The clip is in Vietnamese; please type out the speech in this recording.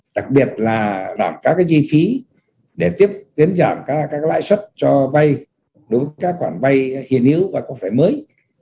đặc biệt là đảm các giây phí để tiếp tiến giảm các lãi suất cho vay đối với các quản vay hiền yếu và có vẻ mới